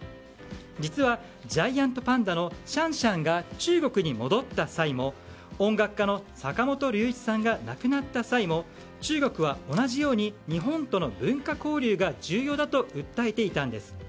実は、ジャイアントパンダのシャンシャンが中国に戻った際も音楽家の坂本龍一さんが亡くなった際も中国は同じように日本との文化交流が重要だと訴えていたんです。